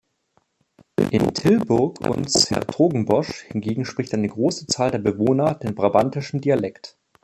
In Tilburg und ’s-Hertogenbosch hingegen spricht eine große Zahl der Bewohner den brabantischen Dialekt.